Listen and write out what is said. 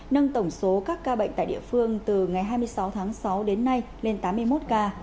nâng tổng số các ca bệnh tại địa phương từ ngày hai mươi sáu tháng sáu đến nay lên tám mươi một ca